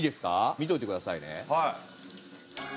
見ておいてくださいね。